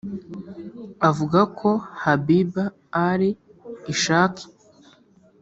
avuga ko Habiba Ali Ishaq